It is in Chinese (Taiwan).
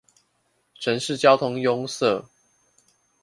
城市交通壅塞